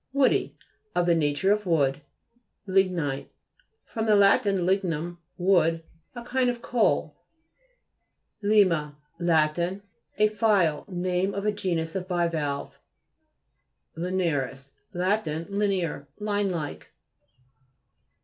Woody ; of the nature of wood. LI'GNITE fr. lat. lignum, wood. A kind of coal. LI/MA Lat. A file. Name of a genus of bivalves. LINEA'RIS Lat. Linear, line like.